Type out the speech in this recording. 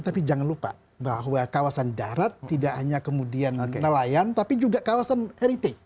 tapi jangan lupa bahwa kawasan darat tidak hanya kemudian nelayan tapi juga kawasan heritage